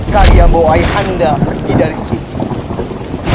kalian bawa ayahanda pergi dari sini